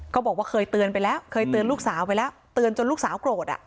บอกว่าเคยเตือนไปแล้วเคยเตือนลูกสาวไปแล้วเตือนจนลูกสาวโกรธอ่ะ